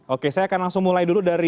oke saya akan langsung mulai dulu dari